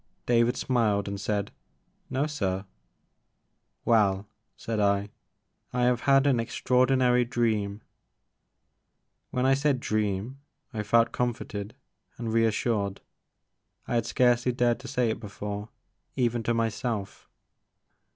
David smiled and said, No sir." Well," said I, " I have had an extraordinary dream." When I said dream," I felt comforted and reassured. I had scarcely dared to say it before, even to myself.